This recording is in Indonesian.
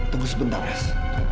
tunggu sebentar haris